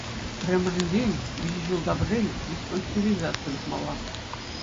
Пӗрремӗшӗнчен, виҫӗ ҫулта пӗрре диспансеризаци тухмалла.